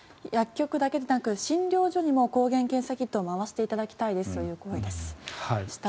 薬局だけでなく診療所にも抗原検査キットを回していただきたいですという声です。